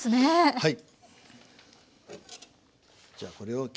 はい。